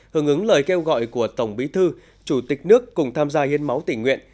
hưởng ứng lời kêu gọi của tổng bí thư chủ tịch nước cùng tham gia hiến máu tỉnh nguyện